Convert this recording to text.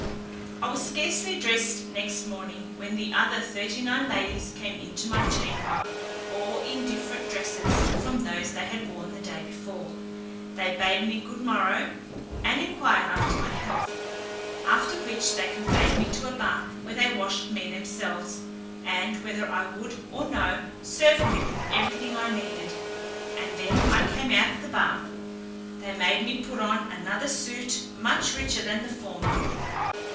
I was scarcely dressed next morning, when the other thirty nine ladies came into my chamber, all in different dresses from those they had worn the day before: they bade me good morrow, and inquired after my health. After which they conveyed me to a bath, where they washed me themselves, and whether I would or no, served me with everything I needed; and when I came out of the bath, they made me put on another suit much richer than the former.